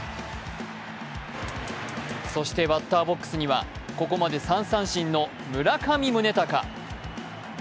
そして、バッターボックスにはここまで３三振の村上宗隆。